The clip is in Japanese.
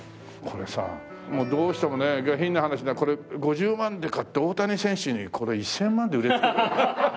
これさもうどうしてもね下品な話だこれ５０万で買って大谷選手にこれ１千万で売りつける。